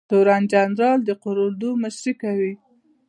تورن جنرال د قول اردو مشري کوي